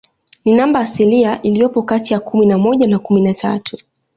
Ni namba asilia iliyopo kati ya kumi na moja na kumi na tatu.